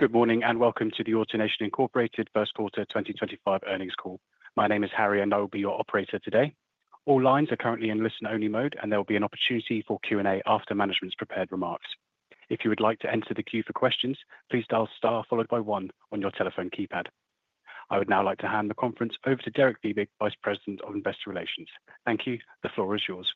Good morning and welcome to the AutoNation first quarter 2025 earnings call. My name is Harry, and I will be your operator today. All lines are currently in listen-only mode, and there will be an opportunity for Q&A after management's prepared remarks. If you would like to enter the queue for questions, please dial star followed by one on your telephone keypad. I would now like to hand the conference over to Derek Fiebig, Vice President of Investor Relations. Thank you. The floor is yours.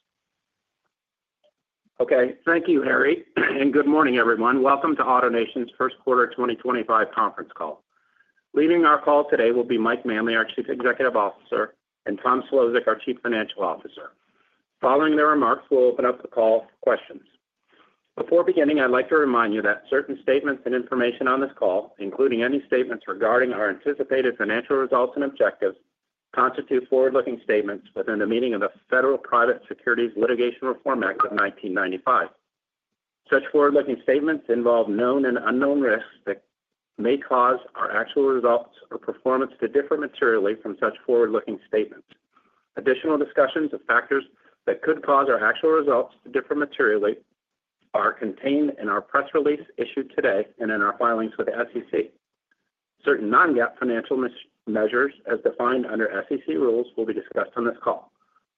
Okay, thank you, Harry, and good morning, everyone. Welcome to AutoNation's first quarter 2025 conference call. Leading our call today will be Mike Manley, our Chief Executive Officer, and Tom Szlosek, our Chief Financial Officer. Following their remarks, we'll open up the call for questions. Before beginning, I'd like to remind you that certain statements and information on this call, including any statements regarding our anticipated financial results and objectives, constitute forward-looking statements within the meaning of the Federal Private Securities Litigation Reform Act of 1995. Such forward-looking statements involve known and unknown risks that may cause our actual results or performance to differ materially from such forward-looking statements. Additional discussions of factors that could cause our actual results to differ materially are contained in our press release issued today and in our filings with the SEC. Certain non-GAAP financial measures, as defined under SEC rules, will be discussed on this call.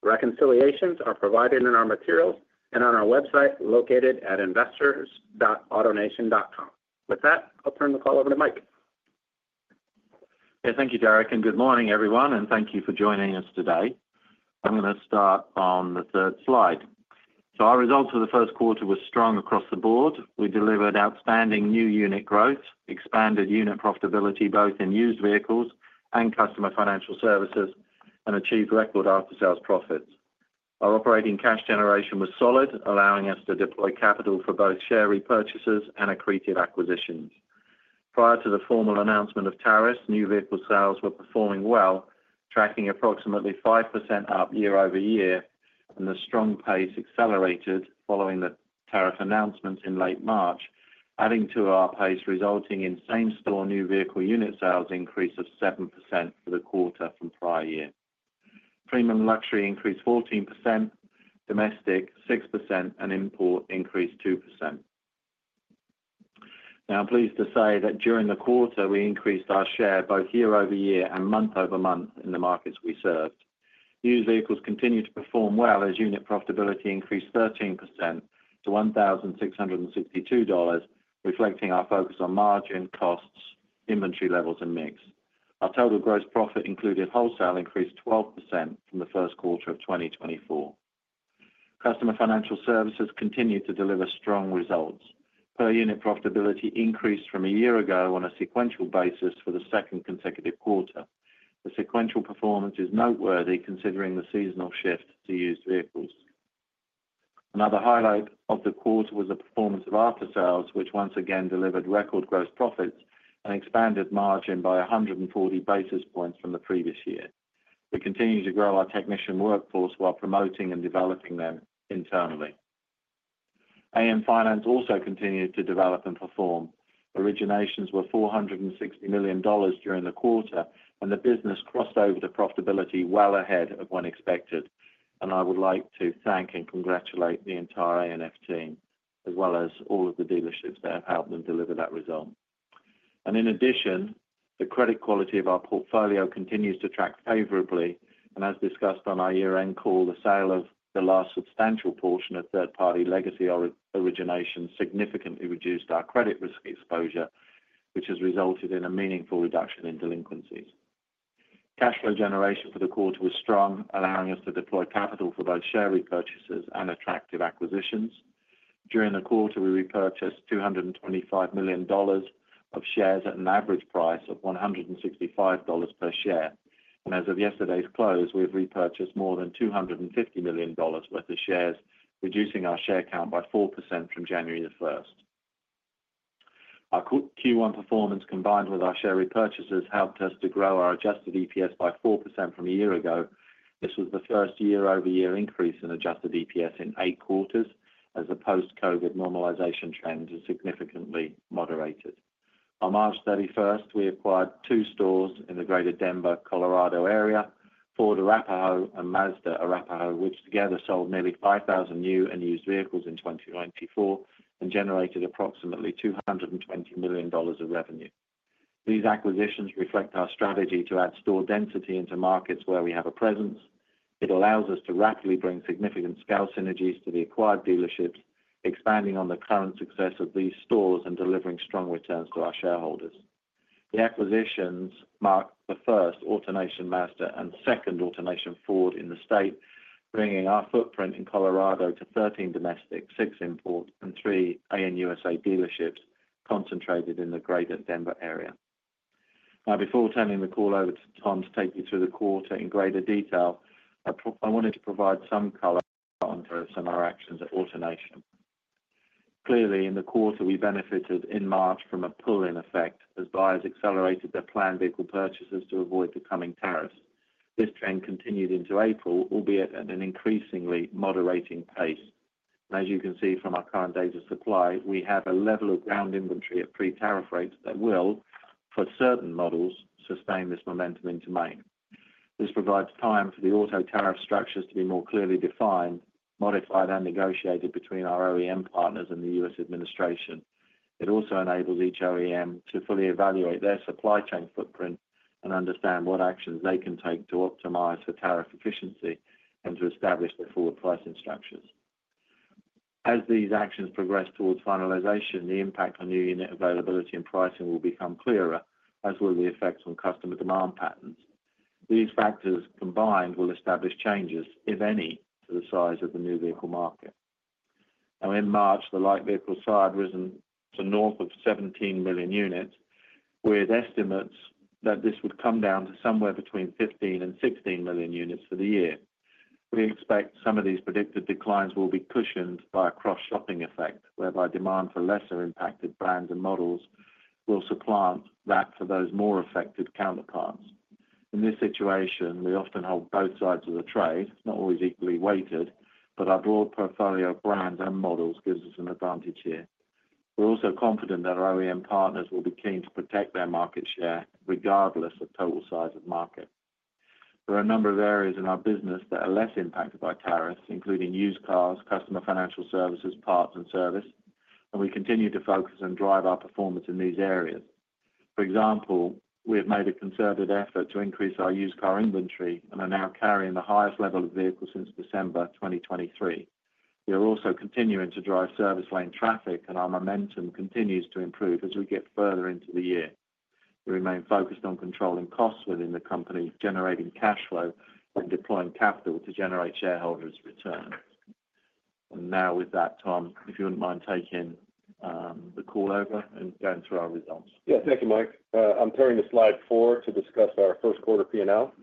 Reconciliations are provided in our materials and on our website located at investors.autonation.com. With that, I'll turn the call over to Mike. Yeah, thank you, Derek, and good morning, everyone, and thank you for joining us today. I'm going to start on the third slide. Our results for the first quarter were strong across the board. We delivered outstanding new unit growth, expanded unit profitability both in used vehicles and customer financial services, and achieved record aftersales profits. Our operating cash generation was solid, allowing us to deploy capital for both share repurchases and accretive acquisitions. Prior to the formal announcement of tariffs, new vehicle sales were performing well, tracking approximately 5% up year-over-year, and the strong pace accelerated following the tariff announcement in late March, adding to our pace, resulting in same-store new vehicle unit sales increase of 7% for the quarter from prior year. Premium luxury increased 14%, domestic 6%, and import increased 2%. Now, I'm pleased to say that during the quarter, we increased our share both year-over-year and month over month in the markets we served. Used vehicles continued to perform well as unit profitability increased 13% to $1,662, reflecting our focus on margin, costs, inventory levels, and mix. Our total gross profit, including wholesale, increased 12% from the first quarter of 2024. Customer financial services continued to deliver strong results. Per unit profitability increased from a year ago on a sequential basis for the second consecutive quarter. The sequential performance is noteworthy considering the seasonal shift to used vehicles. Another highlight of the quarter was the performance of aftersales, which once again delivered record gross profits and expanded margin by 140 basis points from the previous year. We continue to grow our technician workforce while promoting and developing them internally. AN Finance also continued to develop and perform. Originations were $460 million during the quarter, and the business crossed over to profitability well ahead of when expected. I would like to thank and congratulate the entire AN Finance team, as well as all of the dealerships that have helped them deliver that result. In addition, the credit quality of our portfolio continues to track favorably, and as discussed on our year-end call, the sale of the last substantial portion of third-party legacy originations significantly reduced our credit risk exposure, which has resulted in a meaningful reduction in delinquencies. Cash flow generation for the quarter was strong, allowing us to deploy capital for both share repurchases and attractive acquisitions. During the quarter, we repurchased $225 million of shares at an average price of $165 per share. As of yesterday's close, we have repurchased more than $250 million worth of shares, reducing our share count by 4% from January 1st. Our Q1 performance combined with our share repurchases helped us to grow our adjusted EPS by 4% from a year ago. This was the first year-over-year increase in adjusted EPS in eight quarters, as the post-COVID normalization trend is significantly moderated. On March 31st, we acquired two stores in the greater Denver, Colorado area, Ford Arapahoe and Mazda Arapahoe, which together sold nearly 5,000 new and used vehicles in 2024 and generated approximately $220 million of revenue. These acquisitions reflect our strategy to add store density into markets where we have a presence. It allows us to rapidly bring significant scale synergies to the acquired dealerships, expanding on the current success of these stores and delivering strong returns to our shareholders. The acquisitions marked the first AutoNation Mazda and second AutoNation Ford in the state, bringing our footprint in Colorado to 13 domestic, 6 import, and 3 AN USA dealerships concentrated in the greater Denver area. Now, before turning the call over to Tom to take you through the quarter in greater detail, I wanted to provide some color on some of our actions at AutoNation. Clearly, in the quarter, we benefited in March from a pull-in effect as buyers accelerated their planned vehicle purchases to avoid the coming tariffs. This trend continued into April, albeit at an increasingly moderating pace. As you can see from our current data supply, we have a level of ground inventory at pre-tariff rates that will, for certain models, sustain this momentum into May. This provides time for the auto tariff structures to be more clearly defined, modified, and negotiated between our OEM partners and the U.S. administration. It also enables each OEM to fully evaluate their supply chain footprint and understand what actions they can take to optimize for tariff efficiency and to establish their forward pricing structures. As these actions progress towards finalization, the impact on new unit availability and pricing will become clearer, as will the effects on customer demand patterns. These factors combined will establish changes, if any, to the size of the new vehicle market. Now, in March, the light vehicle SAAR risen to north of 17 million units, with estimates that this would come down to somewhere between 15 and 16 million units for the year. We expect some of these predicted declines will be cushioned by a cross-shopping effect, whereby demand for lesser impacted brands and models will supplant that for those more affected counterparts. In this situation, we often hold both sides of the trade, not always equally weighted, but our broad portfolio of brands and models gives us an advantage here. We are also confident that our OEM partners will be keen to protect their market share regardless of total size of market. There are a number of areas in our business that are less impacted by tariffs, including used vehicles, customer financial services, parts, and service, and we continue to focus and drive our performance in these areas. For example, we have made a concerted effort to increase our used vehicle inventory and are now carrying the highest level of vehicles since December 2023. We are also continuing to drive service lane traffic, and our momentum continues to improve as we get further into the year. We remain focused on controlling costs within the company, generating cash flow, and deploying capital to generate shareholders' return. Now, with that, Tom, if you wouldn't mind taking the call over and going through our results. Yeah, thank you, Mike. I'm turning to slide four to discuss our first quarter P&L.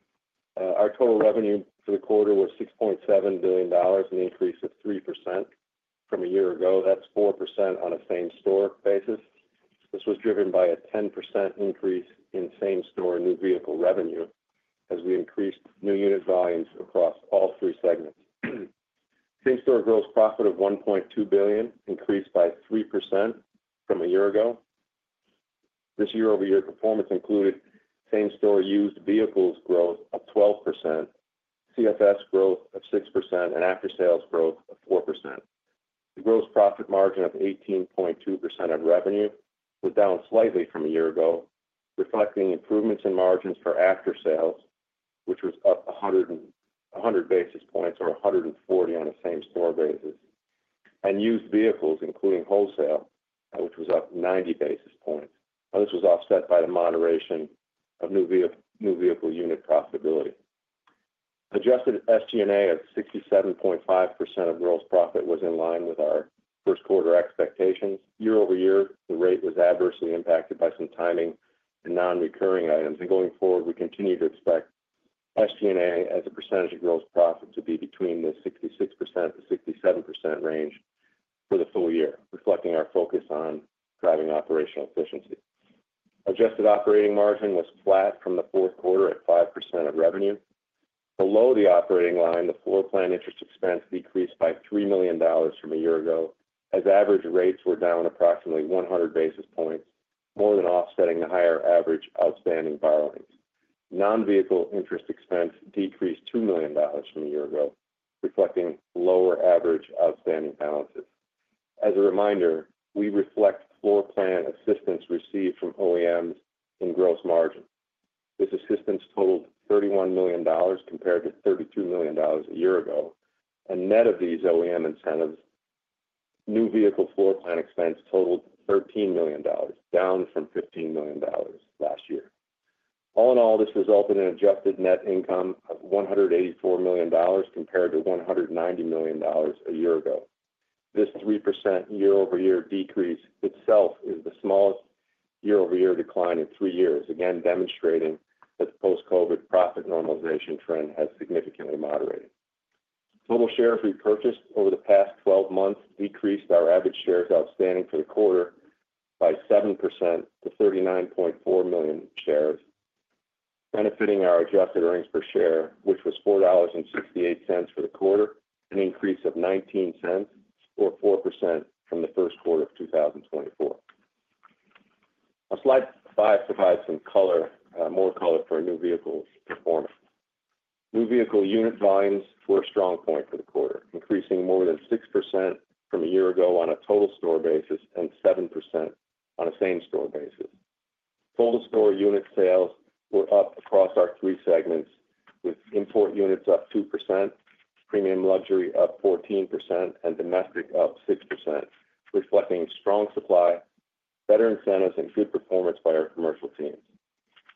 Our total revenue for the quarter was $6.7 billion, an increase of 3% from a year ago. That's 4% on a same-store basis. This was driven by a 10% increase in same-store new vehicle revenue as we increased new unit volumes across all three segments. Same-store gross profit of $1.2 billion increased by 3% from a year ago. This year-over-year performance included same-store used vehicles growth of 12%, CFS growth of 6%, and aftersales growth of 4%. The gross profit margin of 18.2% of revenue was down slightly from a year ago, reflecting improvements in margins for aftersales, which was up 100 basis points or 140 on a same-store basis, and used vehicles, including wholesale, which was up 90 basis points. Now, this was offset by the moderation of new vehicle unit profitability. Adjusted SG&A of 67.5% of gross profit was in line with our first quarter expectations. Year-over-year, the rate was adversely impacted by some timing and non-recurring items. Going forward, we continue to expect SG&A as a percentage of gross profit to be between the 66%-67% range for the full year, reflecting our focus on driving operational efficiency. Adjusted operating margin was flat from the fourth quarter at 5% of revenue. Below the operating line, the floor plan interest expense decreased by $3 million from a year ago as average rates were down approximately 100 basis points, more than offsetting the higher average outstanding borrowings. Non-vehicle interest expense decreased $2 million from a year ago, reflecting lower average outstanding balances. As a reminder, we reflect floor plan assistance received from OEMs in gross margin. This assistance totaled $31 million compared to $32 million a year ago. Net of these OEM incentives, new vehicle floor plan expense totaled $13 million, down from $15 million last year. All in all, this resulted in adjusted net income of $184 million compared to $190 million a year ago. This 3% year-over-year decrease itself is the smallest year-over-year decline in three years, again demonstrating that the post-COVID profit normalization trend has significantly moderated. Total share repurchased over the past 12 months decreased our average shares outstanding for the quarter by 7% to 39.4 million shares, benefiting our adjusted earnings per share, which was $4.68 for the quarter, an increase of $0.19 or 4% from the first quarter of 2024. Our slide five provides some color, more color for new vehicle performance. New vehicle unit volumes were a strong point for the quarter, increasing more than 6% from a year ago on a total store basis and 7% on a same-store basis. Total store unit sales were up across our three segments, with import units up 2%, premium luxury up 14%, and domestic up 6%, reflecting strong supply, better incentives, and good performance by our commercial teams.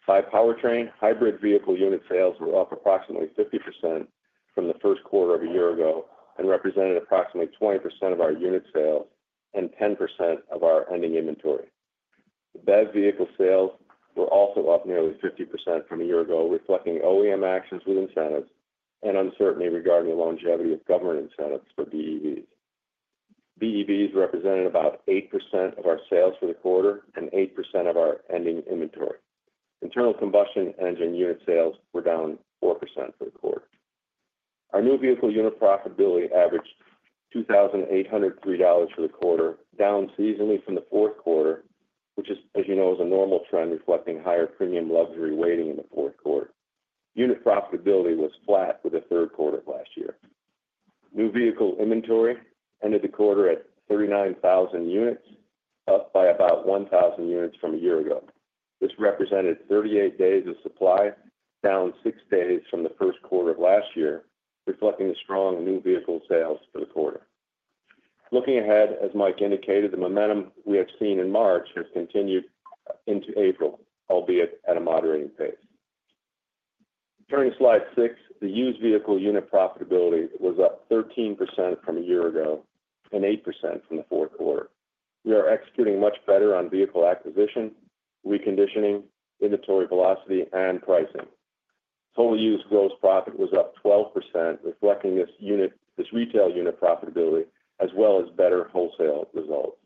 By powertrain, hybrid vehicle unit sales were up approximately 50% from the first quarter of a year ago and represented approximately 20% of our unit sales and 10% of our ending inventory. BEV vehicle sales were also up nearly 50% from a year ago, reflecting OEM actions with incentives and uncertainty regarding the longevity of government incentives for BEVs. BEVs represented about 8% of our sales for the quarter and 8% of our ending inventory. Internal combustion engine unit sales were down 4% for the quarter. Our new vehicle unit profitability averaged $2,803 for the quarter, down seasonally from the fourth quarter, which is, as you know, a normal trend reflecting higher premium luxury weighting in the fourth quarter. Unit profitability was flat for the third quarter of last year. New vehicle inventory ended the quarter at 39,000 units, up by about 1,000 units from a year ago. This represented 38 days of supply, down 6 days from the first quarter of last year, reflecting the strong new vehicle sales for the quarter. Looking ahead, as Mike indicated, the momentum we have seen in March has continued into April, albeit at a moderating pace. Turning slide six, the used vehicle unit profitability was up 13% from a year ago and 8% from the fourth quarter. We are executing much better on vehicle acquisition, reconditioning, inventory velocity, and pricing. Total used gross profit was up 12%, reflecting this retail unit profitability as well as better wholesale results.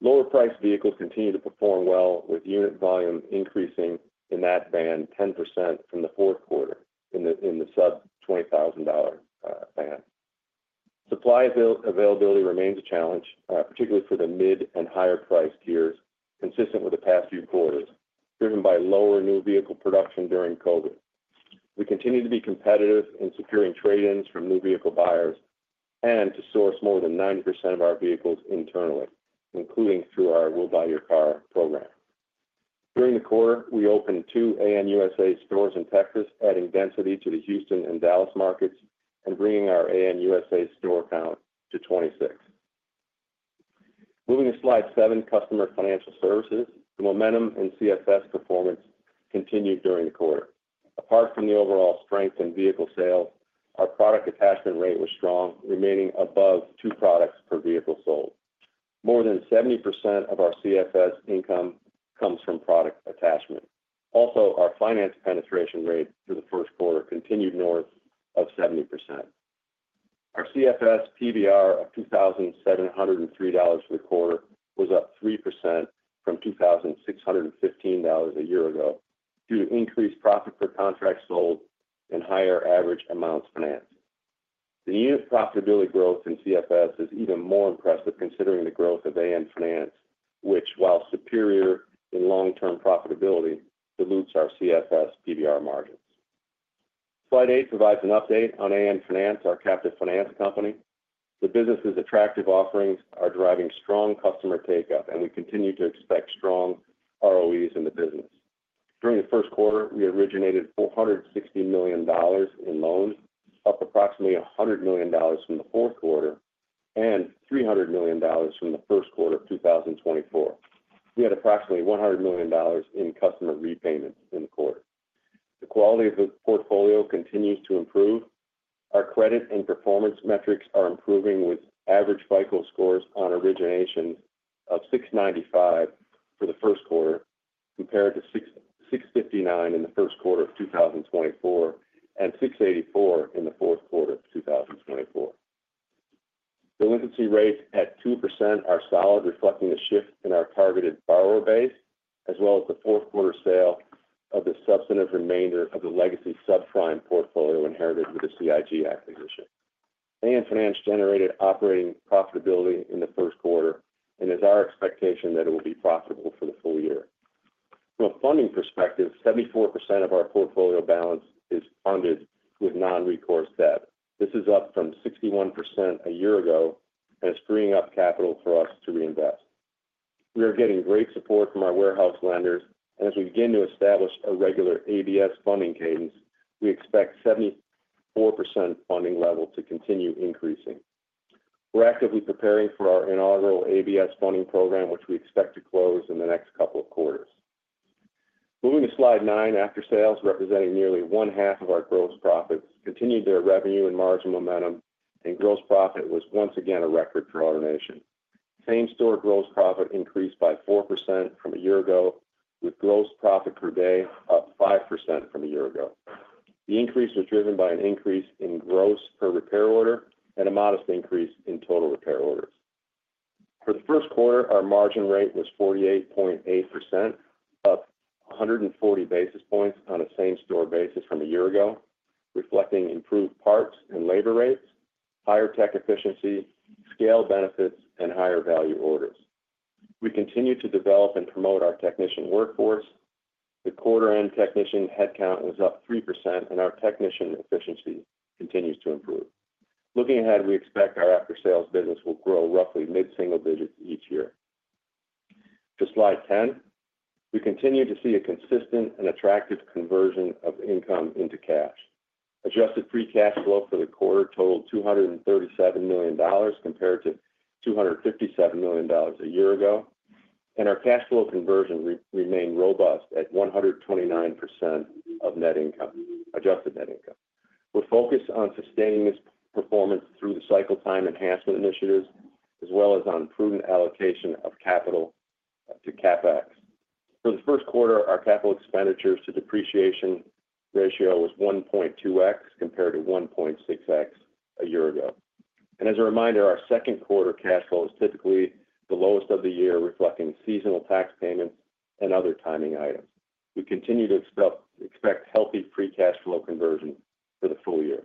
Lower-priced vehicles continue to perform well, with unit volume increasing in that band 10% from the fourth quarter in the sub-$20,000 band. Supply availability remains a challenge, particularly for the mid and higher-priced tiers, consistent with the past few quarters, driven by lower new vehicle production during COVID. We continue to be competitive in securing trade-ins from new vehicle buyers and to source more than 90% of our vehicles internally, including through our We Buy Your Car program. During the quarter, we opened two AN USA stores in Texas, adding density to the Houston and Dallas markets and bringing our AN USA store count to 26. Moving to slide seven, customer financial services, the momentum in CFS performance continued during the quarter. Apart from the overall strength in vehicle sales, our product attachment rate was strong, remaining above two products per vehicle sold. More than 70% of our CFS income comes from product attachment. Also, our finance penetration rate for the first quarter continued north of 70%. Our CFS PVR of $2,703 for the quarter was up 3% from $2,615 a year ago due to increased profit per contract sold and higher average amounts financed. The unit profitability growth in CFS is even more impressive considering the growth of AN Finance, which, while superior in long-term profitability, dilutes our CFS PVR margins. Slide eight provides an update on AN Finance, our captive finance company. The business's attractive offerings are driving strong customer take-up, and we continue to expect strong ROEs in the business. During the first quarter, we originated $460 million in loans, up approximately $100 million from the fourth quarter and $300 million from the first quarter of 2024. We had approximately $100 million in customer repayments in the quarter. The quality of the portfolio continues to improve. Our credit and performance metrics are improving with average FICO scores on originations of 695 for the first quarter compared to 659 in the first quarter of 2024 and 684 in the fourth quarter of 2024. Delinquency rates at 2% are solid, reflecting a shift in our targeted borrower base, as well as the fourth quarter sale of the substantive remainder of the legacy subprime portfolio inherited with the CIG acquisition. AN Finance generated operating profitability in the first quarter and is our expectation that it will be profitable for the full year. From a funding perspective, 74% of our portfolio balance is funded with non-recourse debt. This is up from 61% a year ago and is freeing up capital for us to reinvest. We are getting great support from our warehouse lenders, and as we begin to establish a regular ABS funding cadence, we expect the 74% funding level to continue increasing. We're actively preparing for our inaugural ABS funding program, which we expect to close in the next couple of quarters. Moving to slide nine, aftersales representing nearly one-half of our gross profits continued their revenue and margin momentum, and gross profit was once again a record for AutoNation. Same-store gross profit increased by 4% from a year ago, with gross profit per day up 5% from a year ago. The increase was driven by an increase in gross per repair order and a modest increase in total repair orders. For the first quarter, our margin rate was 48.8%, up 140 basis points on a same-store basis from a year ago, reflecting improved parts and labor rates, higher tech efficiency, scale benefits, and higher value orders. We continue to develop and promote our technician workforce. The quarter-end technician headcount was up 3%, and our technician efficiency continues to improve. Looking ahead, we expect our aftersales business will grow roughly mid-single digits each year. To slide ten, we continue to see a consistent and attractive conversion of income into cash. Adjusted free cash flow for the quarter totaled $237 million compared to $257 million a year ago, and our cash flow conversion remained robust at 129% of net income, adjusted net income. We're focused on sustaining this performance through the cycle time enhancement initiatives, as well as on prudent allocation of capital to CapEx. For the first quarter, our capital expenditures to depreciation ratio was 1.2x compared to 1.6x a year ago. As a reminder, our second quarter cash flow is typically the lowest of the year, reflecting seasonal tax payments and other timing items. We continue to expect healthy free cash flow conversion for the full year.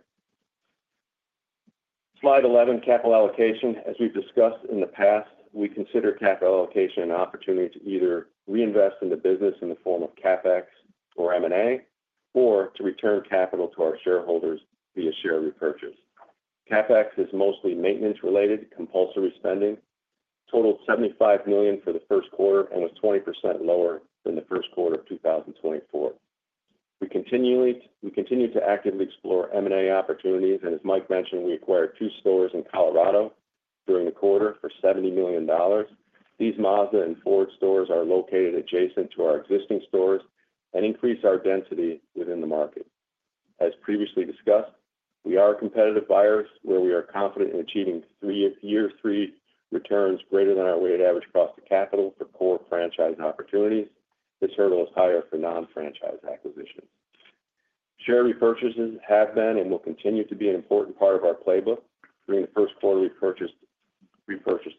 Slide 11, capital allocation. As we have discussed in the past, we consider capital allocation an opportunity to either reinvest in the business in the form of CapEx or M&A or to return capital to our shareholders via share repurchase. CapEx is mostly maintenance-related compulsory spending. Totaled $75 million for the first quarter and was 20% lower than the first quarter of 2024. We continue to actively explore M&A opportunities, and as Mike mentioned, we acquired two stores in Colorado during the quarter for $70 million. These Mazda and Ford stores are located adjacent to our existing stores and increase our density within the market. As previously discussed, we are competitive buyers where we are confident in achieving year-three returns greater than our weighted average cost of capital for core franchise opportunities. This hurdle is higher for non-franchise acquisitions. Share repurchases have been and will continue to be an important part of our playbook. During the first quarter, we purchased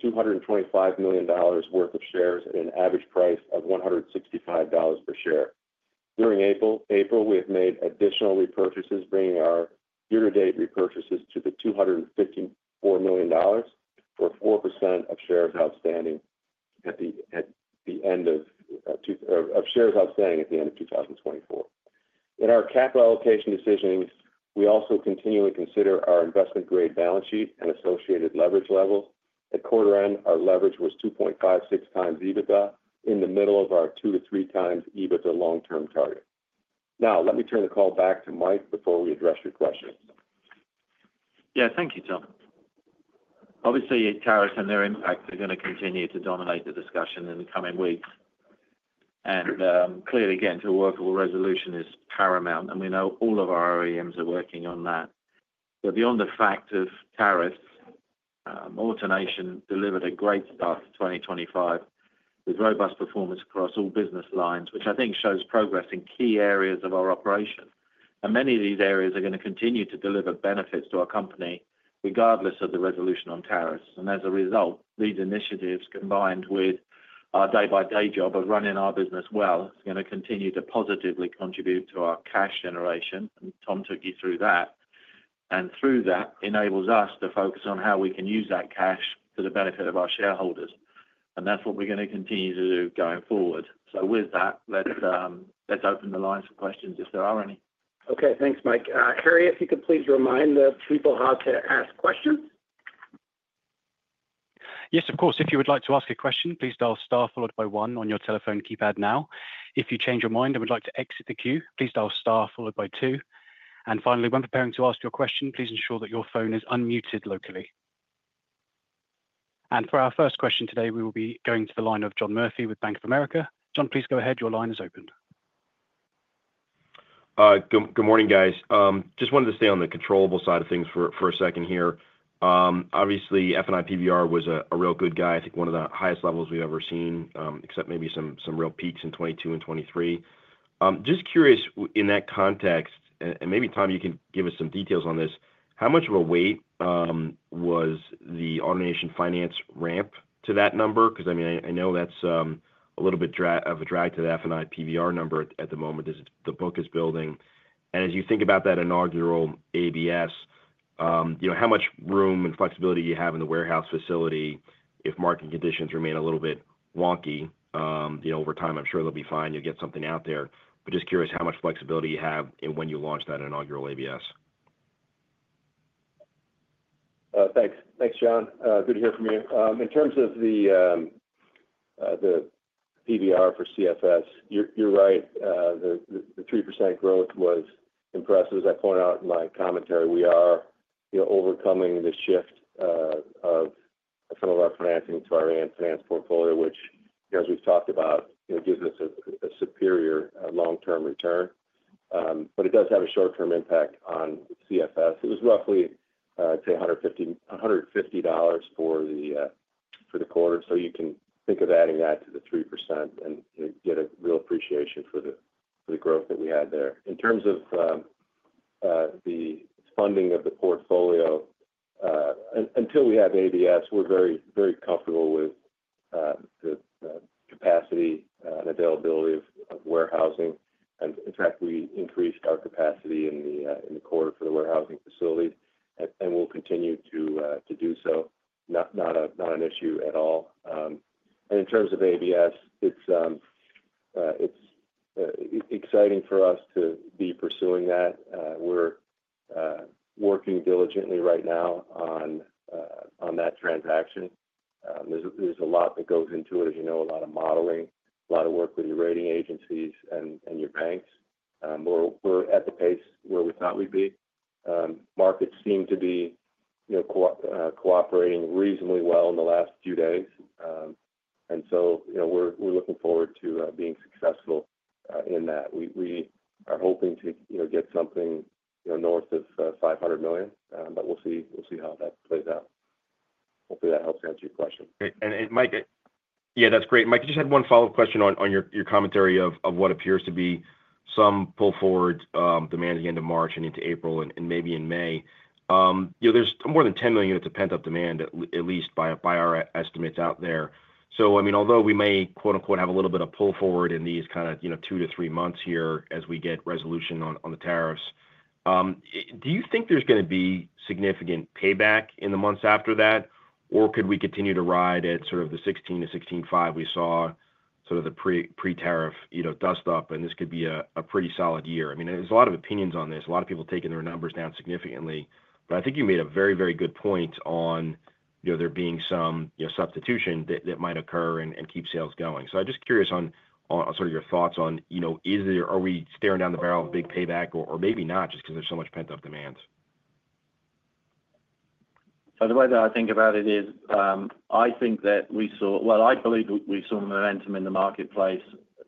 $225 million worth of shares at an average price of $165 per share. During April, we have made additional repurchases, bringing our year-to-date repurchases to $254 million or 4% of shares outstanding at the end of 2024. In our capital allocation decisions, we also continually consider our investment-grade balance sheet and associated leverage levels. At quarter-end, our leverage was 2.56 times EBITDA in the middle of our two to three times EBITDA long-term target. Now, let me turn the call back to Mike before we address your questions. Yeah, thank you, Tom. Obviously, tariffs and their impact are going to continue to dominate the discussion in the coming weeks. Clearly, again, to a workable resolution is paramount, and we know all of our OEMs are working on that. Beyond the fact of tariffs, AutoNation delivered a great start to 2025 with robust performance across all business lines, which I think shows progress in key areas of our operation. Many of these areas are going to continue to deliver benefits to our company regardless of the resolution on tariffs. As a result, these initiatives, combined with our day-by-day job of running our business well, are going to continue to positively contribute to our cash generation. Tom took you through that. Through that, it enables us to focus on how we can use that cash to the benefit of our shareholders. That is what we are going to continue to do going forward. With that, let's open the lines for questions if there are any. Okay, thanks, Mike. Harry, if you could please remind the people how to ask questions. Yes, of course. If you would like to ask a question, please dial star followed by one on your telephone keypad now. If you change your mind and would like to exit the queue, please dial star followed by two. Finally, when preparing to ask your question, please ensure that your phone is unmuted locally. For our first question today, we will be going to the line of John Murphy with Bank of America. John, please go ahead. Your line is open. Good morning, guys. Just wanted to stay on the controllable side of things for a second here. Obviously, F&I PVR was a real good guy. I think one of the highest levels we've ever seen, except maybe some real peaks in 2022 and 2023. Just curious, in that context, and maybe, Tom, you can give us some details on this, how much of a weight was the AutoNation Finance ramp to that number? Because, I mean, I know that's a little bit of a drag to the F&I PVR number at the moment as the book is building. As you think about that inaugural ABS, how much room and flexibility do you have in the warehouse facility if market conditions remain a little bit wonky? Over time, I'm sure they'll be fine. You'll get something out there. Just curious, how much flexibility do you have in when you launch that inaugural ABS? Thanks. Thanks, John. Good to hear from you. In terms of the PVR for CFS, you're right. The 3% growth was impressive. As I point out in my commentary, we are overcoming the shift of some of our financing to our AN Finance portfolio, which, as we've talked about, gives us a superior long-term return. It does have a short-term impact on CFS. It was roughly, I'd say, $150 for the quarter. You can think of adding that to the 3% and get a real appreciation for the growth that we had there. In terms of the funding of the portfolio, until we have ABS, we're very comfortable with the capacity and availability of warehousing. In fact, we increased our capacity in the quarter for the warehousing facility and will continue to do so. Not an issue at all. In terms of ABS, it's exciting for us to be pursuing that. We're working diligently right now on that transaction. There's a lot that goes into it, as you know, a lot of modeling, a lot of work with your rating agencies and your banks. We're at the pace where we thought we'd be. Markets seem to be cooperating reasonably well in the last few days. We are looking forward to being successful in that. We are hoping to get something north of $500 million, but we'll see how that plays out. Hopefully, that helps answer your question. Great. Mike, yeah, that's great. Mike, I just had one follow-up question on your commentary of what appears to be some pull forward demand at the end of March and into April and maybe in May. There's more than 10 million units of pent-up demand, at least by our estimates out there. I mean, although we may "have a little bit of pull forward in these kind of two to three months here as we get resolution on the tariffs," do you think there's going to be significant payback in the months after that, or could we continue to ride at sort of the 16-16.5 we saw sort of the pre-tariff dust-up, and this could be a pretty solid year? I mean, there's a lot of opinions on this. A lot of people taking their numbers down significantly. I think you made a very, very good point on there being some substitution that might occur and keep sales going. I'm just curious on sort of your thoughts on, are we staring down the barrel of big payback or maybe not, just because there's so much pent-up demand? The way that I think about it is I think that we saw, I believe we saw momentum in the marketplace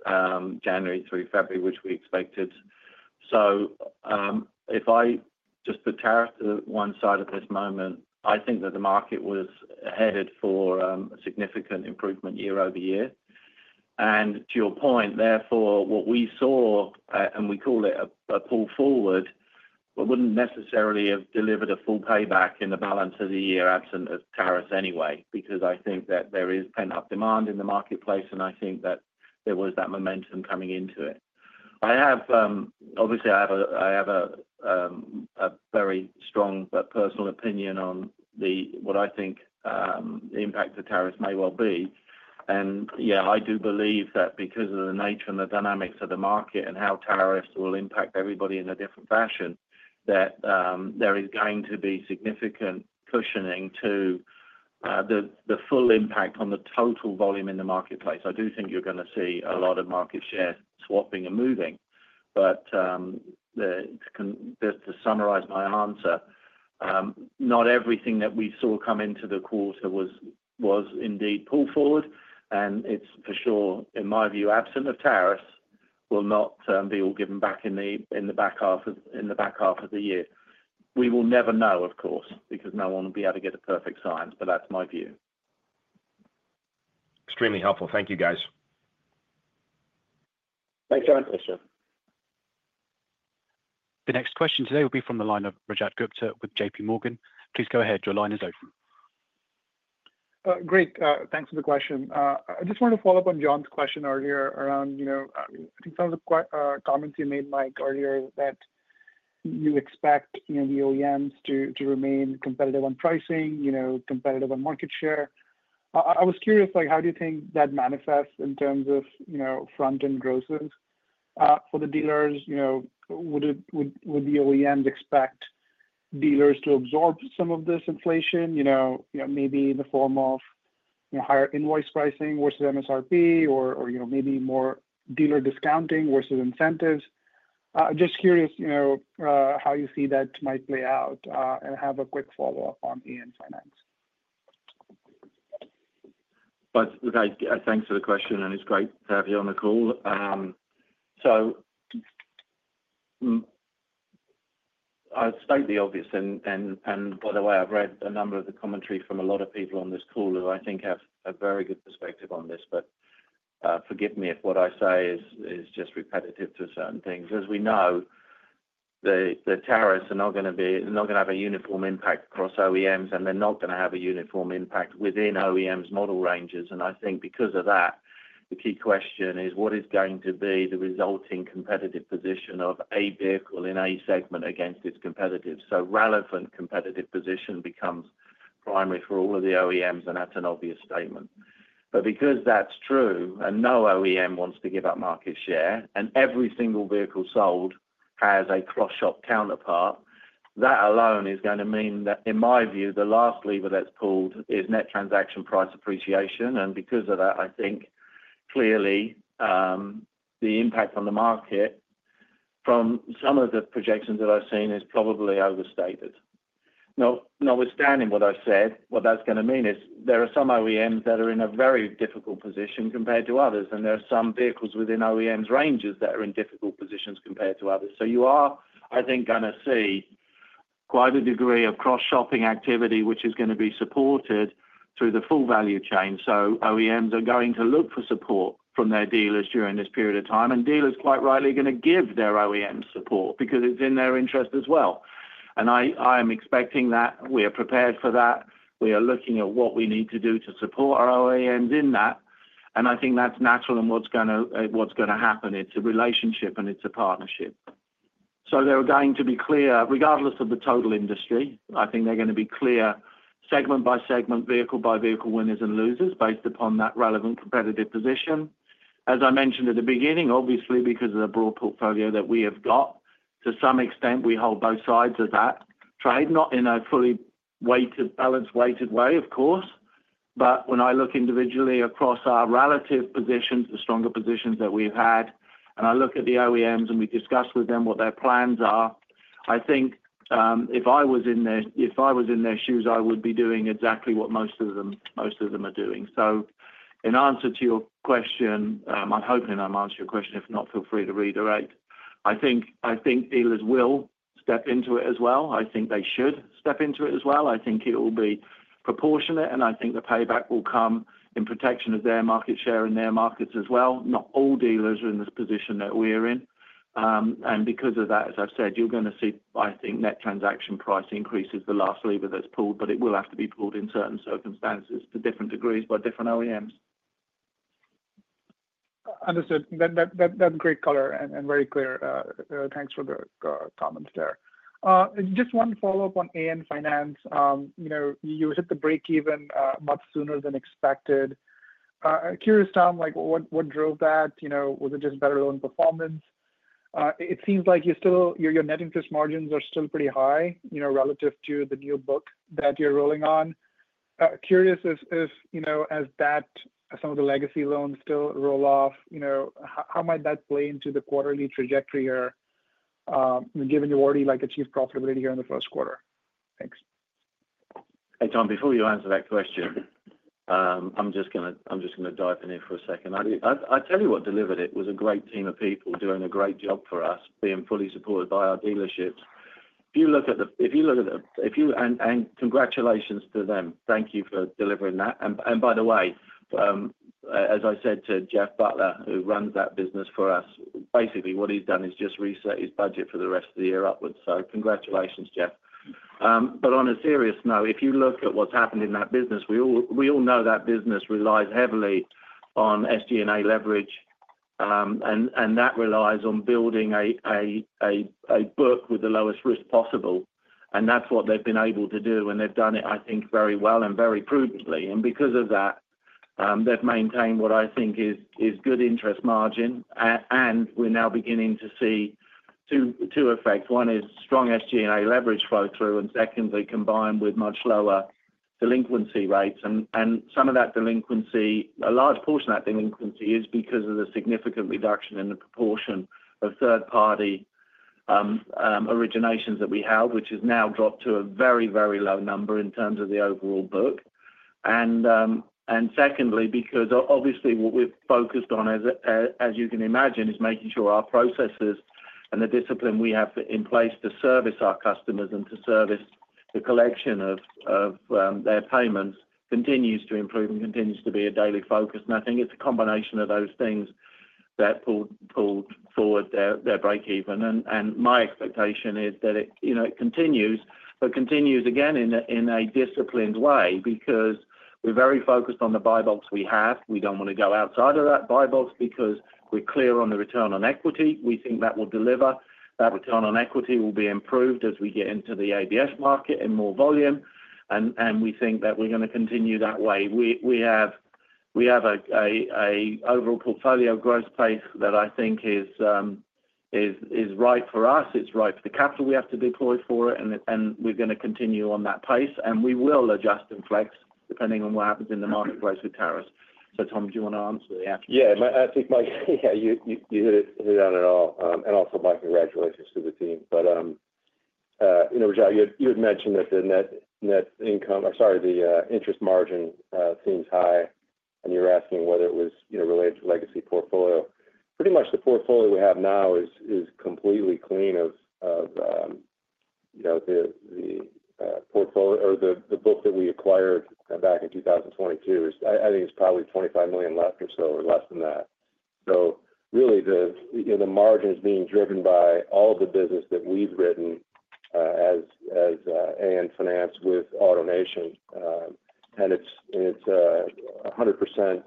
January through February, which we expected. If I just put tariffs to one side at this moment, I think that the market was headed for a significant improvement year-over-year. To your point, therefore, what we saw, and we call it a pull forward, would not necessarily have delivered a full payback in the balance of the year absent of tariffs anyway, because I think that there is pent-up demand in the marketplace, and I think that there was that momentum coming into it. Obviously, I have a very strong but personal opinion on what I think the impact of tariffs may well be. I do believe that because of the nature and the dynamics of the market and how tariffs will impact everybody in a different fashion, there is going to be significant cushioning to the full impact on the total volume in the marketplace. I do think you are going to see a lot of market share swapping and moving. To summarize my answer, not everything that we saw come into the quarter was indeed pull forward. It is for sure, in my view, absent of tariffs, will not be all given back in the back half of the year. We will never know, of course, because no one will be able to get a perfect science, but that's my view. Extremely helpful. Thank you, guys. Thanks, John. The next question today will be from the line of Rajat Gupta with JP Morgan. Please go ahead. Your line is open. Great. Thanks for the question. I just wanted to follow up on John's question earlier around, I think, some of the comments you made, Mike, earlier that you expect the OEMs to remain competitive on pricing, competitive on market share. I was curious, how do you think that manifests in terms of front-end grosses for the dealers? Would the OEMs expect dealers to absorb some of this inflation, maybe in the form of higher invoice pricing versus MSRP, or maybe more dealer discounting versus incentives? Just curious how you see that might play out and have a quick follow-up on AN Finance. Thanks for the question, and it's great to have you on the call. I'll state the obvious. By the way, I've read a number of the commentary from a lot of people on this call who I think have a very good perspective on this. Forgive me if what I say is just repetitive to certain things. As we know, the tariffs are not going to have a uniform impact across OEMs, and they're not going to have a uniform impact within OEM's model ranges. I think because of that, the key question is, what is going to be the resulting competitive position of a vehicle in a segment against its competitive? Relevant competitive position becomes primary for all of the OEMs, and that's an obvious statement. Because that's true, and no OEM wants to give up market share, and every single vehicle sold has a cross-shop counterpart, that alone is going to mean that, in my view, the last lever that's pulled is net transaction price appreciation. Because of that, I think, clearly, the impact on the market from some of the projections that I've seen is probably overstated. Notwithstanding what I've said, what that's going to mean is there are some OEMs that are in a very difficult position compared to others, and there are some vehicles within OEMs' ranges that are in difficult positions compared to others. You are, I think, going to see quite a degree of cross-shopping activity, which is going to be supported through the full value chain. OEMs are going to look for support from their dealers during this period of time. Dealers are quite rightly going to give their OEMs support because it is in their interest as well. I am expecting that. We are prepared for that. We are looking at what we need to do to support our OEMs in that. I think that is natural. What is going to happen? It is a relationship, and it is a partnership. They are going to be clear, regardless of the total industry. I think they are going to be clear, segment by segment, vehicle by vehicle, winners and losers based upon that relevant competitive position. As I mentioned at the beginning, obviously, because of the broad portfolio that we have got, to some extent, we hold both sides of that trade, not in a fully balanced weighted way, of course. When I look individually across our relative positions, the stronger positions that we've had, and I look at the OEMs and we discuss with them what their plans are, I think if I was in their shoes, I would be doing exactly what most of them are doing. In answer to your question, I'm hoping I've answered your question. If not, feel free to reiterate. I think dealers will step into it as well. I think they should step into it as well. I think it will be proportionate, and I think the payback will come in protection of their market share in their markets as well. Not all dealers are in this position that we are in. Because of that, as I've said, you're going to see, I think, net transaction price increases, the last lever that's pulled, but it will have to be pulled in certain circumstances to different degrees by different OEMs. Understood. That's great color and very clear. Thanks for the comments there. Just one follow-up on AN Finance. You hit the break-even much sooner than expected. Curious, Tom, what drove that? Was it just better loan performance? It seems like your net interest margins are still pretty high relative to the new book that you're rolling on. Curious if, as some of the legacy loans still roll off, how might that play into the quarterly trajectory here, given you've already achieved profitability here in the first quarter? Thanks. Hey, Tom, before you answer that question, I'm just going to dive in here for a second. I'll tell you what delivered. It was a great team of people doing a great job for us, being fully supported by our dealerships. If you look at the, if you look at the, and congratulations to them. Thank you for delivering that. By the way, as I said to Jeff Butler, who runs that business for us, basically, what he's done is just reset his budget for the rest of the year upwards. Congratulations, Jeff. On a serious note, if you look at what's happened in that business, we all know that business relies heavily on SG&A leverage, and that relies on building a book with the lowest risk possible. That's what they've been able to do, and they've done it, I think, very well and very prudently. Because of that, they've maintained what I think is good interest margin. We are now beginning to see two effects. One is strong SG&A leverage flow through, and secondly, combined with much lower delinquency rates. Some of that delinquency, a large portion of that delinquency, is because of the significant reduction in the proportion of third-party originations that we have, which has now dropped to a very, very low number in terms of the overall book. Secondly, obviously what we have focused on, as you can imagine, is making sure our processes and the discipline we have in place to service our customers and to service the collection of their payments continues to improve and continues to be a daily focus. I think it is a combination of those things that pulled forward their break-even. My expectation is that it continues, but continues again in a disciplined way because we're very focused on the buy box we have. We don't want to go outside of that buy box because we're clear on the return on equity. We think that will deliver. That return on equity will be improved as we get into the ABS market and more volume. We think that we're going to continue that way. We have an overall portfolio growth pace that I think is right for us. It's right for the capital we have to deploy for it, and we're going to continue on that pace. We will adjust and flex depending on what happens in the marketplace with tariffs. Tom, do you want to answer the actual question? Yeah. I think, Mike, you hit it on it all. Also, Mike, congratulations to the team. You had mentioned that the net income or sorry, the interest margin seems high, and you were asking whether it was related to legacy portfolio. Pretty much the portfolio we have now is completely clean of the portfolio or the book that we acquired back in 2022. I think it's probably $25 million left or so or less than that. Really, the margin is being driven by all the business that we've written as AN Finance with AutoNation. It's 100%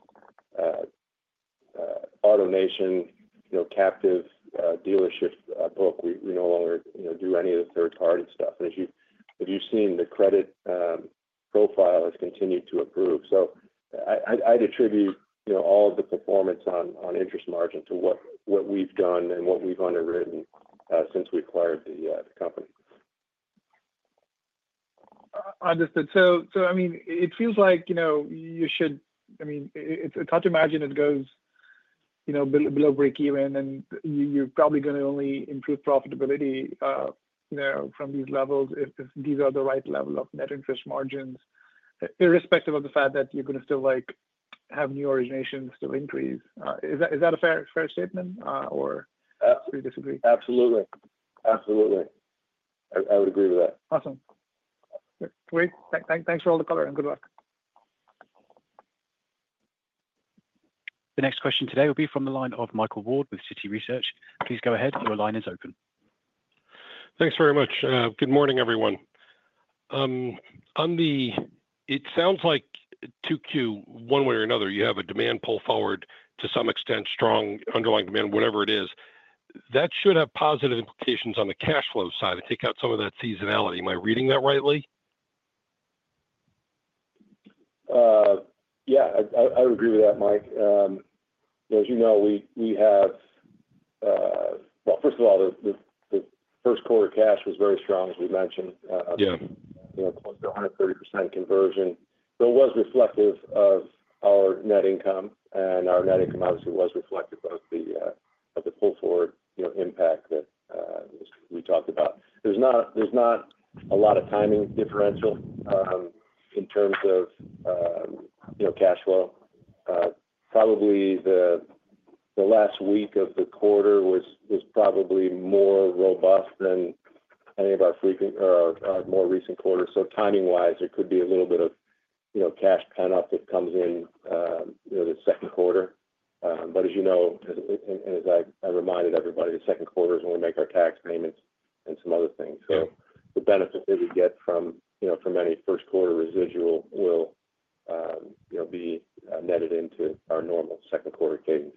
AutoNation Captive dealership book. We no longer do any of the third-party stuff. As you've seen, the credit profile has continued to improve. I'd attribute all of the performance on interest margin to what we've done and what we've underwritten since we acquired the company. Understood. I mean, it feels like you should, I mean, it's hard to imagine it goes below break-even, and you're probably going to only improve profitability from these levels if these are the right level of net interest margins, irrespective of the fact that you're going to still have new originations still increase. Is that a fair statement, or do you disagree? Absolutely. Absolutely. I would agree with that. Awesome. Great. Thanks for all the color and good luck. The next question today will be from the line of Michael Ward with Citi Research. Please go ahead. Your line is open. Thanks very much. Good morning, everyone. It sounds like 2Q, one way or another, you have a demand pull forward to some extent, strong underlying demand, whatever it is. That should have positive implications on the cash flow side and take out some of that seasonality. Am I reading that rightly? Yeah. I would agree with that, Mike. As you know, we have, first of all, the first quarter cash was very strong, as we mentioned, close to 130% conversion. It was reflective of our net income, and our net income obviously was reflective of the pull forward impact that we talked about. There is not a lot of timing differential in terms of cash flow. Probably the last week of the quarter was more robust than any of our more recent quarters. Timing-wise, there could be a little bit of cash pent-up that comes in the second quarter. As you know, and as I reminded everybody, the second quarter is when we make our tax payments and some other things. The benefit that we get from any first quarter residual will be netted into our normal second quarter gains.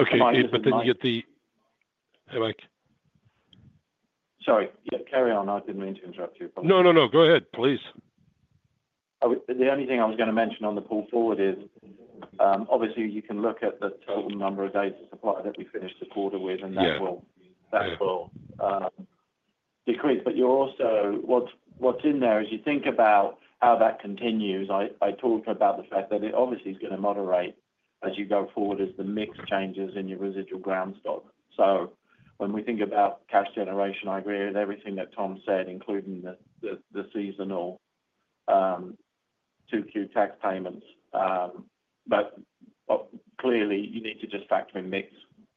Okay. Then you get the hey, Mike. Sorry. Yeah. Carry on. I didn't mean to interrupt you. No, no, no. Go ahead, please. The only thing I was going to mention on the pull forward is, obviously, you can look at the total number of days of supply that we finished the quarter with, and that will decrease. What's in there is you think about how that continues. I talked about the fact that it obviously is going to moderate as you go forward as the mix changes in your residual ground stock. When we think about cash generation, I agree with everything that Tom said, including the seasonal 2Q tax payments. Clearly, you need to just factor in mix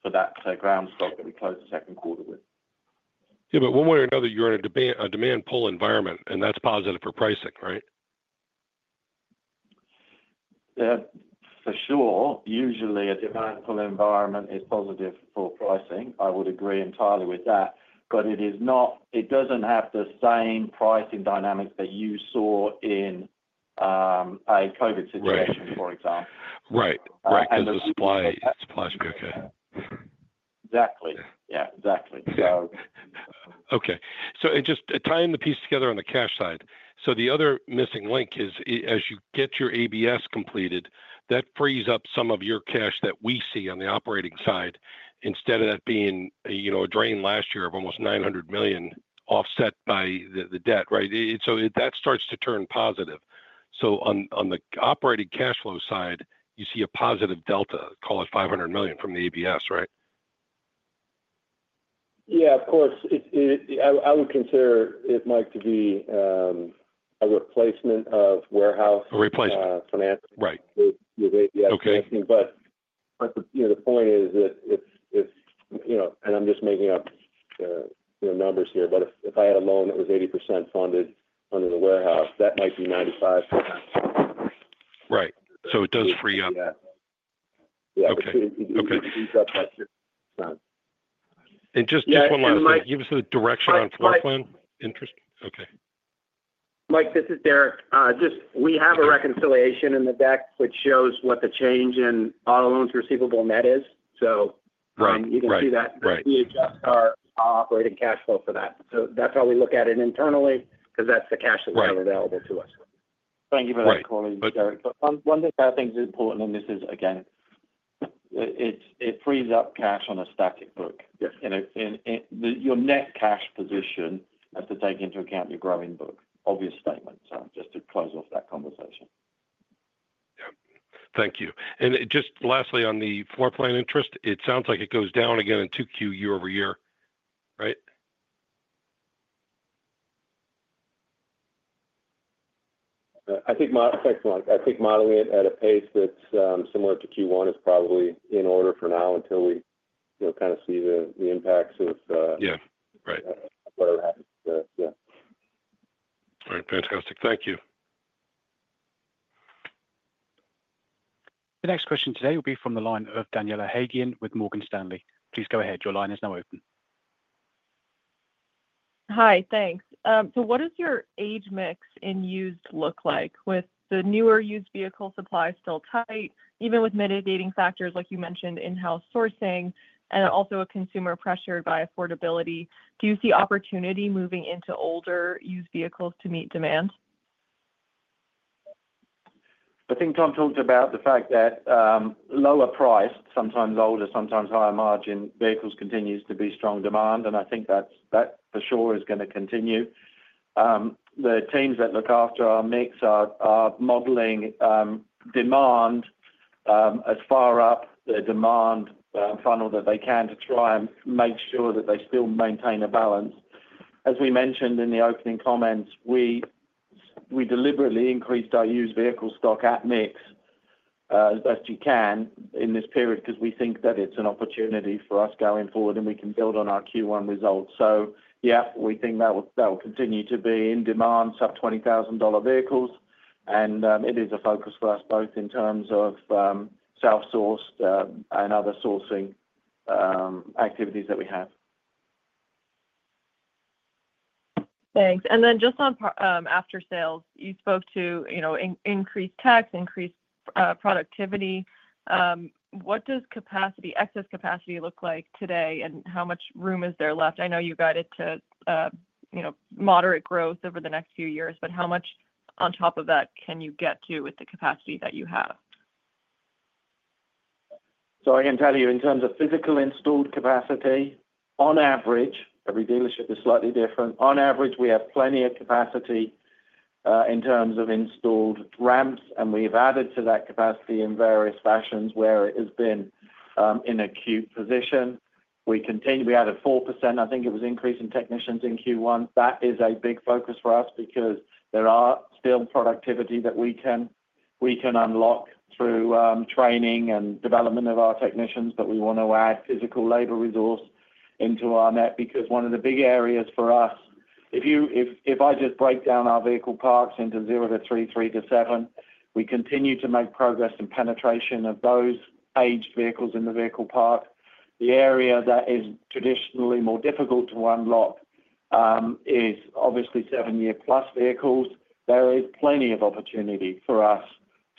for that ground stock that we closed the second quarter with. Yeah. But one way or another, you're in a demand pull environment, and that's positive for pricing, right? For sure. Usually, a demand pull environment is positive for pricing. I would agree entirely with that. It does not have the same pricing dynamics that you saw in a COVID situation, for example. Right. Right. The supply should be okay. Exactly. Yeah. Exactly. Okay. Just tying the piece together on the cash side. The other missing link is, as you get your ABS completed, that frees up some of your cash that we see on the operating side instead of that being a drain last year of almost $900 million offset by the debt, right? That starts to turn positive. On the operating cash flow side, you see a positive delta, call it $500 million from the ABS, right? Yeah. Of course. I would consider it, Mike, to be a replacement of warehouse. A replacement. Financing. Right. With ABS financing. The point is that if—and I'm just making up numbers here—but if I had a loan that was 80% funded under the warehouse, that might be 95%. Right. It does free up. Yeah. Yeah. It frees up that 60%. Just one last thing. Give us a direction on floor plan. Interest. Mike, this is Derek. We have a reconciliation in the deck which shows what the change in auto loans receivable net is. You can see that we adjust our operating cash flow for that. That is how we look at it internally because that is the cash that is available to us. Thank you for that, color. Derek. One thing I think is important, and this is, again, it frees up cash on a static book. Your net cash position has to take into account your growing book. Obvious statement, just to close off that conversation. Yeah. Thank you. And just lastly, on the floor plan interest, it sounds like it goes down again in 2Q year-over-year, right? I think, Mike, I think modeling it at a pace that's similar to Q1 is probably in order for now until we kind of see the impacts of whatever happens. Yeah. All right. Fantastic. Thank you. The next question today will be from the line of Daniela Haigian with Morgan Stanley. Please go ahead. Your line is now open. Hi. Thanks. So what does your age mix in used look like with the newer used vehicle supply still tight, even with mitigating factors like you mentioned in-house sourcing, and also a consumer pressured by affordability? Do you see opportunity moving into older used vehicles to meet demand? I think Tom talked about the fact that lower price, sometimes older, sometimes higher margin vehicles continues to be strong demand. I think that for sure is going to continue. The teams that look after our mix are modeling demand as far up the demand funnel that they can to try and make sure that they still maintain a balance. As we mentioned in the opening comments, we deliberately increased our used vehicle stock at mix as best you can in this period because we think that it's an opportunity for us going forward and we can build on our Q1 results. Yeah, we think that will continue to be in demand, sub-$20,000 vehicles. It is a focus for us both in terms of self-sourced and other sourcing activities that we have. Thanks. Just on aftersales, you spoke to increased tax, increased productivity. What does excess capacity look like today, and how much room is there left? I know you guided to moderate growth over the next few years, but how much on top of that can you get to with the capacity that you have? I can tell you in terms of physical installed capacity, on average, every dealership is slightly different. On average, we have plenty of capacity in terms of installed ramps, and we have added to that capacity in various fashions where it has been in a queue position. We added 4%. I think it was increase in technicians in Q1. That is a big focus for us because there are still productivity that we can unlock through training and development of our technicians, but we want to add physical labor resource into our net because one of the big areas for us, if I just break down our vehicle parks into 0-3, 3-7, we continue to make progress in penetration of those aged vehicles in the vehicle park. The area that is traditionally more difficult to unlock is obviously 7-year+ vehicles. There is plenty of opportunity for us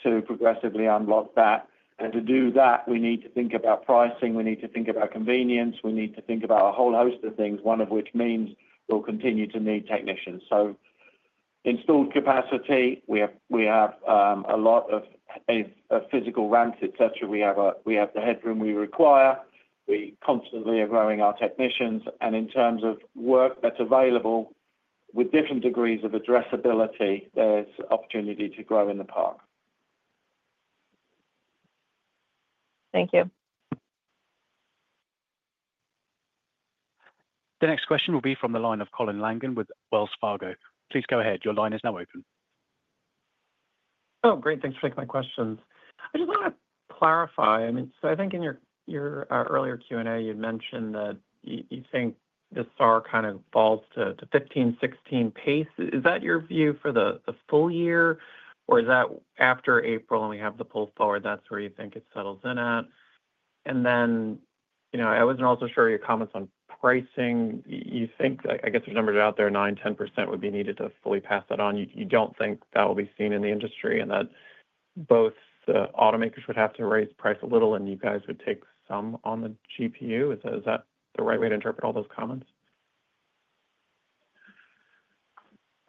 to progressively unlock that. To do that, we need to think about pricing. We need to think about convenience. We need to think about a whole host of things, one of which means we will continue to need technicians. Installed capacity, we have a lot of physical ramps, etc. We have the headroom we require. We constantly are growing our technicians. And in terms of work that's available with different degrees of addressability, there's opportunity to grow in the park. Thank you. The next question will be from the line of Colin Langan with Wells Fargo. Please go ahead. Your line is now open. Oh, great. Thanks for taking my questions. I just want to clarify. I mean, so I think in your earlier Q&A, you mentioned that you think the SAAR kind of falls to 15-16 pace. Is that your view for the full year, or is that after April and we have the pull forward, that's where you think it settles in at? I wasn't also sure of your comments on pricing. I guess there's numbers out there, 9%-10% would be needed to fully pass that on. You don't think that will be seen in the industry and that both the automakers would have to raise price a little and you guys would take some on the GPU? Is that the right way to interpret all those comments?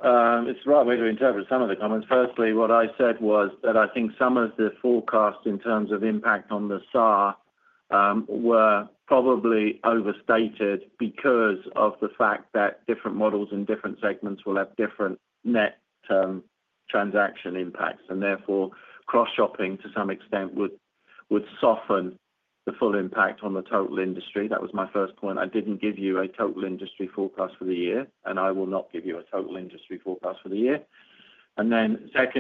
It's the right way to interpret some of the comments. Firstly, what I said was that I think some of the forecasts in terms of impact on the SAAR were probably overstated because of the fact that different models in different segments will have different net transaction impacts. Therefore, cross-shopping to some extent would soften the full impact on the total industry. That was my first point. I didn't give you a total industry forecast for the year, and I will not give you a total industry forecast for the year.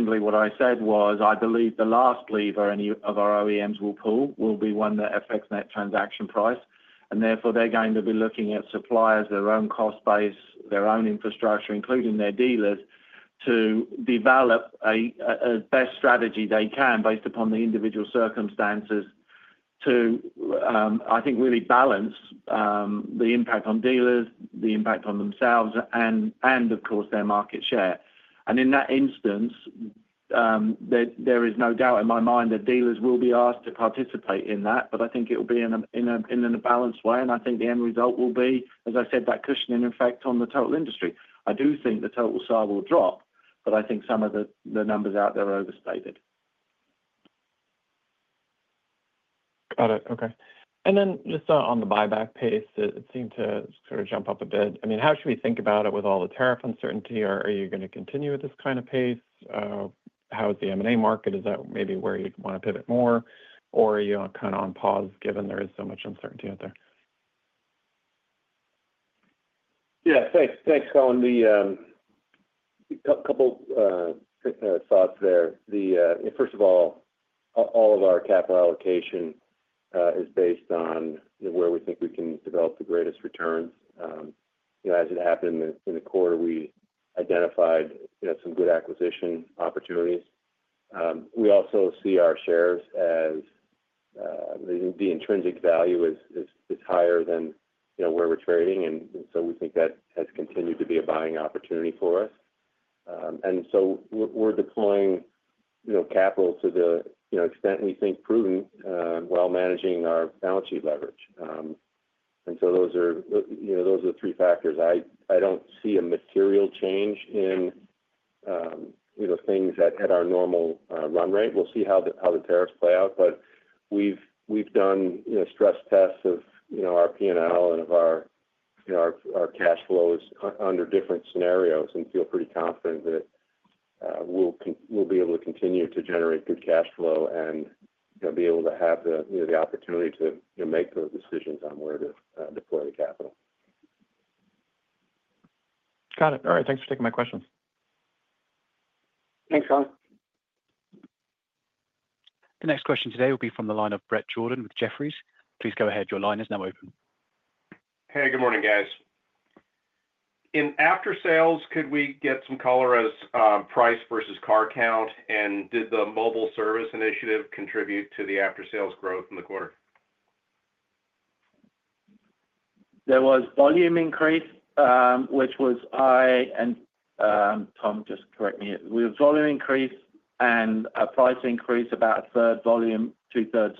What I said was I believe the last lever any of our OEMs will pull will be one that affects net transaction price. Therefore, they're going to be looking at suppliers, their own cost base, their own infrastructure, including their dealers, to develop a best strategy they can based upon the individual circumstances to, I think, really balance the impact on dealers, the impact on themselves, and of course, their market share. In that instance, there is no doubt in my mind that dealers will be asked to participate in that, but I think it will be in a balanced way. I think the end result will be, as I said, that cushioning effect on the total industry. I do think the total SAAR will drop, but I think some of the numbers out there are overstated. Got it. Okay. Just on the buyback pace, it seemed to sort of jump up a bit. I mean, how should we think about it with all the tariff uncertainty? Are you going to continue at this kind of pace? How is the M&A market? Is that maybe where you'd want to pivot more? Are you kind of on pause given there is so much uncertainty out there? Yeah. Thanks on the couple thoughts there. First of all, all of our capital allocation is based on where we think we can develop the greatest returns. As it happened in the quarter, we identified some good acquisition opportunities. We also see our shares as the intrinsic value is higher than where we're trading. We think that has continued to be a buying opportunity for us. We're deploying capital to the extent we think prudent while managing our balance sheet leverage. Those are the three factors. I don't see a material change in things at our normal run rate. We'll see how the tariffs play out. We've done stress tests of our P&L and of our cash flows under different scenarios and feel pretty confident that we'll be able to continue to generate good cash flow and be able to have the opportunity to make those decisions on where to deploy the capital. Got it. All right. Thanks for taking my questions. Thanks, Colin. The next question today will be from the line of Brett Jordan with Jefferies. Please go ahead. Your line is now open. Hey, good morning, guys. In aftersales, could we get some color as price versus car count? Did the mobile service initiative contribute to the aftersales growth in the quarter? There was volume increase, which was high. Tom, just correct me. We had volume increase and a price increase, about a third volume, two-thirds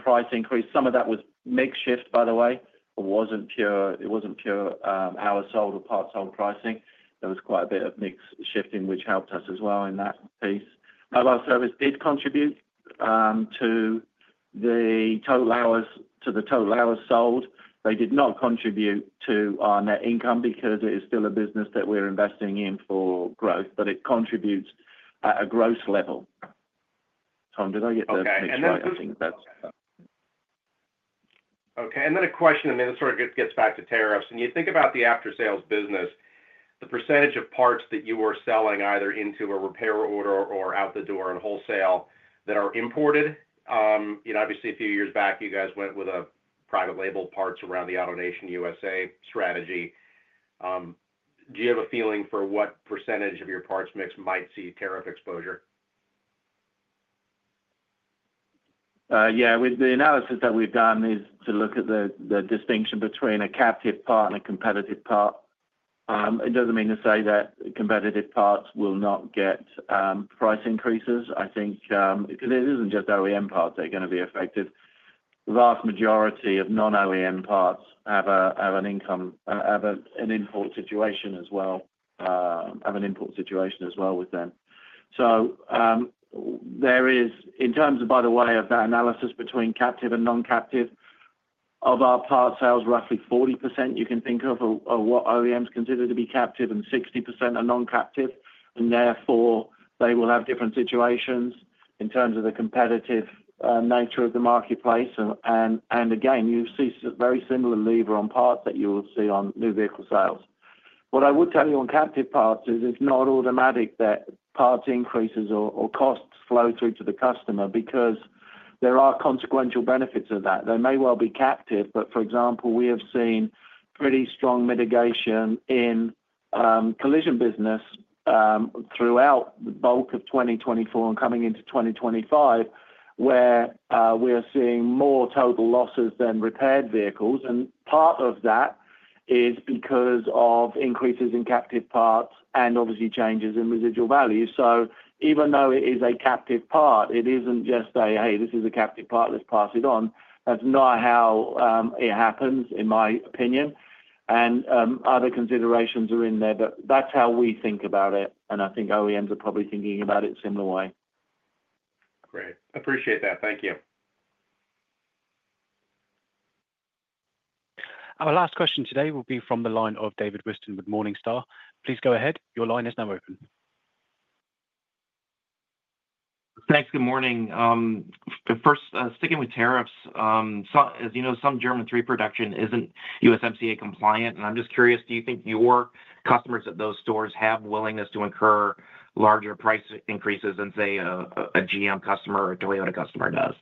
price increase. Some of that was mix shift, by the way. It was not pure hour-sold or part-sold pricing. There was quite a bit of mix shifting, which helped us as well in that piece. Mobile service did contribute to the total hours sold. They did not contribute to our net income because it is still a business that we are investing in for growth, but it contributes at a gross level. Tom, did I get that okay? That is okay. A question, and it sort of gets back to tariffs. When you think about the aftersales business, the percentage of parts that you are selling either into a repair order or out the door and wholesale that are imported, obviously a few years back, you guys went with a private label parts around the AutoNation USA strategy. Do you have a feeling for what percentage of your parts mix might see tariff exposure? Yeah. The analysis that we've done is to look at the distinction between a captive part and a competitive part. It doesn't mean to say that competitive parts will not get price increases. I think because it isn't just OEM parts that are going to be affected. The vast majority of non-OEM parts have an import situation as well, have an import situation as well with them. There is, in terms of, by the way, of that analysis between captive and non-captive, of our parts sales, roughly 40% you can think of are what OEMs consider to be captive and 60% are non-captive. Therefore, they will have different situations in terms of the competitive nature of the marketplace. Again, you see very similar lever on parts that you will see on new vehicle sales. What I would tell you on captive parts is it's not automatic that parts increases or costs flow through to the customer because there are consequential benefits of that. They may well be captive, but for example, we have seen pretty strong mitigation in collision business throughout the bulk of 2024 and coming into 2025, where we are seeing more total losses than repaired vehicles. Part of that is because of increases in captive parts and obviously changes in residual value. Even though it is a captive part, it is not just a, "Hey, this is a captive part. Let's pass it on." That is not how it happens, in my opinion. Other considerations are in there, but that is how we think about it. I think OEMs are probably thinking about it a similar way. Great. Appreciate that. Thank you. Our last question today will be from the line of David Whiston with Morningstar. Please go ahead. Your line is now open. Thanks. Good morning. First, sticking with tariffs, as you know, some German Three production is not USMCA compliant. I am just curious, do you think your customers at those stores have willingness to incur larger price increases than, say, a GM customer or a Toyota customer does?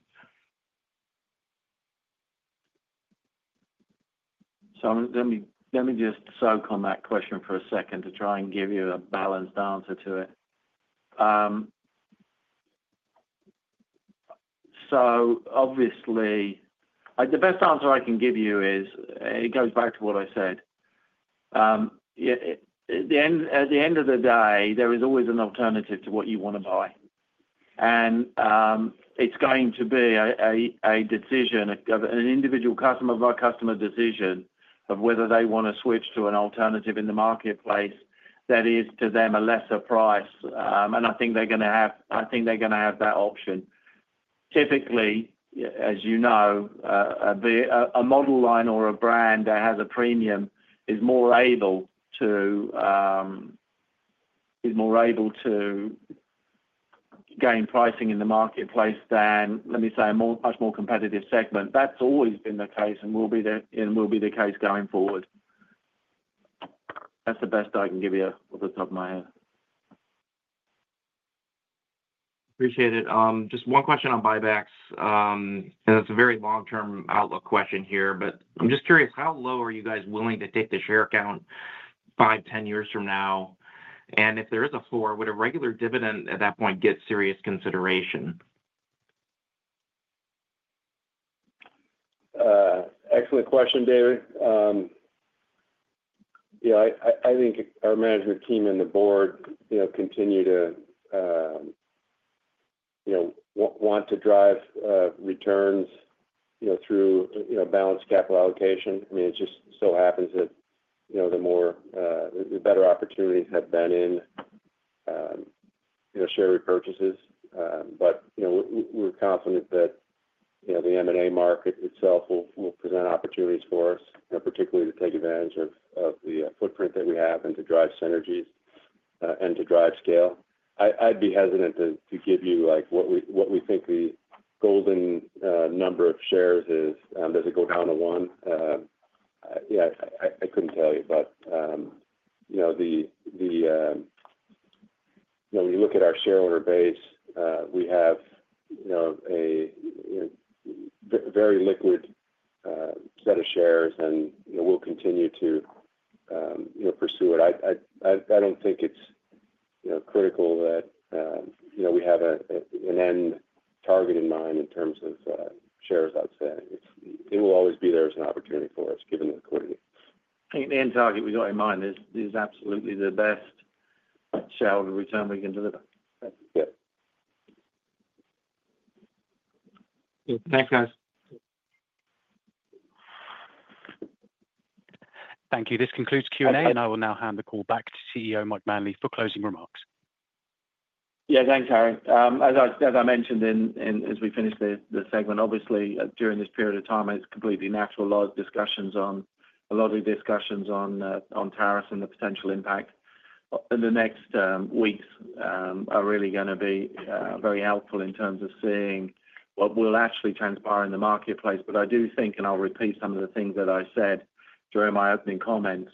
Let me just soak on that question for a second to try and give you a balanced answer to it. Obviously, the best answer I can give you is it goes back to what I said. At the end of the day, there is always an alternative to what you want to buy. It's going to be a decision, an individual customer-by-customer decision of whether they want to switch to an alternative in the marketplace that is to them a lesser price. I think they're going to have that option. Typically, as you know, a model line or a brand that has a premium is more able to gain pricing in the marketplace than, let me say, a much more competitive segment. That's always been the case and will be the case going forward. That's the best I can give you off the top of my head. Appreciate it. Just one question on buybacks. It's a very long-term outlook question here, but I'm just curious, how low are you guys willing to take the share count 5, 10 years from now? If there is a floor, would a regular dividend at that point get serious consideration? Excellent question, David. I think our management team and the board continue to want to drive returns through balanced capital allocation. I mean, it just so happens that the better opportunities have been in share repurchases. We're confident that the M&A market itself will present opportunities for us, particularly to take advantage of the footprint that we have and to drive synergies and to drive scale. I'd be hesitant to give you what we think the golden number of shares is. Does it go down to one? Yeah, I couldn't tell you. When you look at our shareholder base, we have a very liquid set of shares, and we'll continue to pursue it. I don't think it's critical that we have an end target in mind in terms of shares, I'd say. It will always be there as an opportunity for us, given the equity. The end target we've got in mind is absolutely the best shareholder return we can deliver. Yeah. Thanks, guys. Thank you. This concludes Q&A, and I will now hand the call back to CEO Mike Manley for closing remarks. Yeah, thanks, Harry. As I mentioned, as we finish the segment, obviously, during this period of time, it's completely natural to have discussions on a lot of the discussions on tariffs and the potential impact in the next weeks are really going to be very helpful in terms of seeing what will actually transpire in the marketplace. I do think, and I'll repeat some of the things that I said during my opening comments,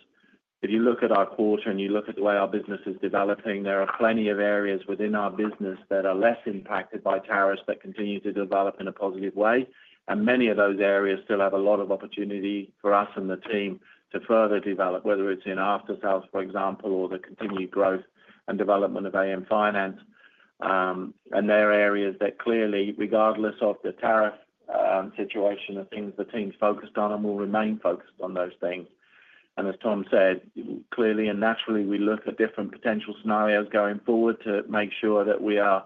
if you look at our quarter and you look at the way our business is developing, there are plenty of areas within our business that are less impacted by tariffs that continue to develop in a positive way. Many of those areas still have a lot of opportunity for us and the team to further develop, whether it's in aftersales, for example, or the continued growth and development of AN Finance. There are areas that clearly, regardless of the tariff situation, the team's focused on and will remain focused on those things. As Tom said, clearly and naturally, we look at different potential scenarios going forward to make sure that we are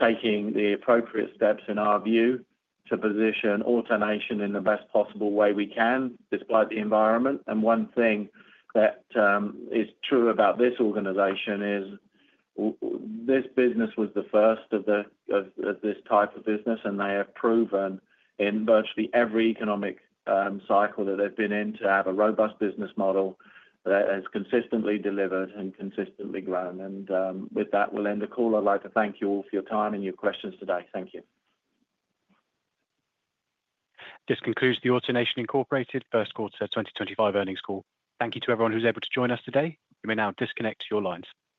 taking the appropriate steps in our view to position AutoNation in the best possible way we can despite the environment. One thing that is true about this organization is this business was the first of this type of business, and they have proven in virtually every economic cycle that they've been in to have a robust business model that has consistently delivered and consistently grown. With that, we'll end the call. I'd like to thank you all for your time and your questions today. Thank you. This concludes the AutoNation first quarter 2025 earnings call. Thank you to everyone who was able to join us today. You may now disconnect your lines.